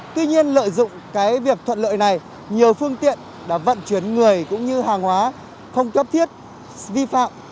tuy nhiên lợi dụng cái việc thuận lợi này nhiều phương tiện đã vận chuyển người cũng như hàng hóa không cấp thiết vi phạm